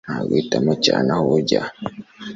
Nta guhitamo cyane aho ujya